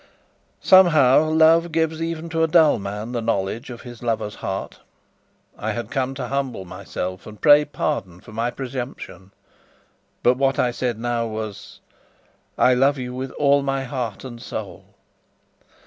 Somehow love gives even to a dull man the knowledge of his lover's heart. I had come to humble myself and pray pardon for my presumption; but what I said now was: "I love you with all my heart and soul!"